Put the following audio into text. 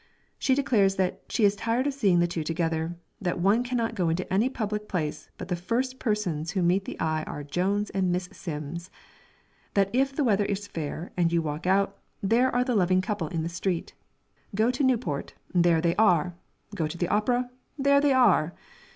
She declares that "she is tired of seeing the two together; that one cannot go to any public place, but the first persons who meet the eye are Jones and Miss Simms; that if the weather is fair, and you walk out, there are the loving couple in the street. Go to Newport, there they are go to the opera, there they are.